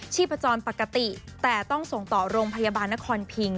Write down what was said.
พจรปกติแต่ต้องส่งต่อโรงพยาบาลนครพิง